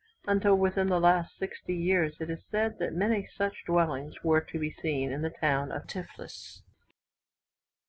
Until within the last sixty years, it is said that many such dwellings were to be seen in the town of Tiflis.